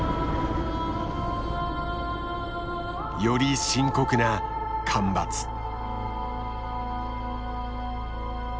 より深刻な干ばつ。